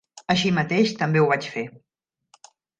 Així mateix, també ho vaig fer.